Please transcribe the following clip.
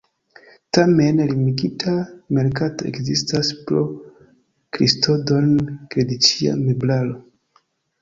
Tamen, limigita merkato ekzistas por kristodorn-glediĉia meblaro.